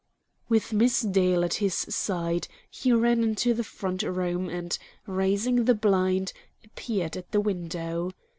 With Miss Dale at his side, he ran into the front room, and, raising the blind, appeared at the window.